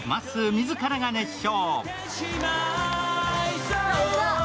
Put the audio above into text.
自らが熱唱。